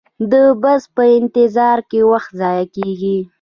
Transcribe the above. د بس په انتظار کې وخت ضایع کیږي